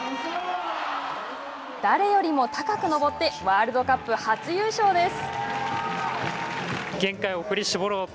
誰よりも高く登ってワールドカップ初優勝です。